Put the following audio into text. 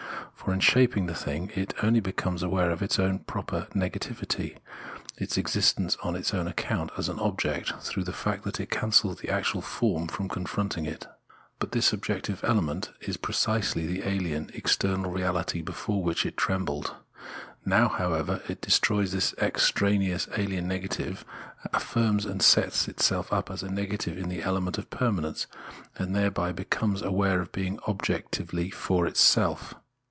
For in shaping the thing it only becomes aware of its own proper negativity, its Lordship and Bondage 187 existence on its own account, as an object, tkrough. the fact that it cancels the actual form confronting it. But this objective negative element is precisely the alien, external reahty, before which it trembled. Now, however, it destroys this extraneous alien negative, affirms and sets itself up as a negative in the element of permanence, and thereby becomes aware of being objectively for itself.